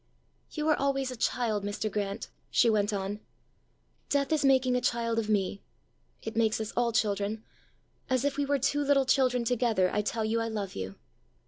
"You are always a child, Mr. Grant," she went on; "death is making a child of me; it makes us all children: as if we were two little children together, I tell you I love you.